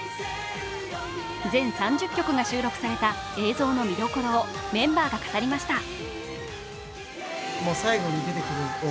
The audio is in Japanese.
全３０曲が収録された映像の見どころをメンバーが語りました。